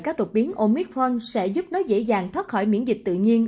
các đột biến omicron sẽ giúp nó dễ dàng thoát khỏi miễn dịch tự nhiên